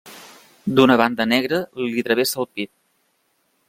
Una banda negra li travessa el pit.